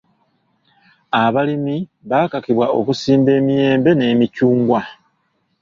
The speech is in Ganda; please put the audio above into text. Abalimi baakakibwa okusimba emiyembe n'emiccungwa.